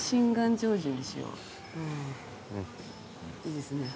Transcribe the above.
いいですね。